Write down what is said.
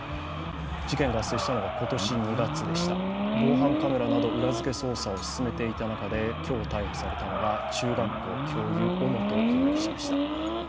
事件が発生したのが今年２月でした防犯カメラなど裏付け捜査を進めていた中で今日、逮捕されたのが中学校教諭、尾本容疑者でした。